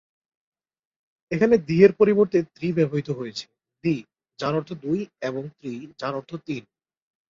এখানে "দ্বি" এর পরিবর্তে ত্রি ব্যবহৃত হয়েছে, "দ্বি" যার অর্থ দুই এবং "ত্রি" যার অর্থ "তিন"।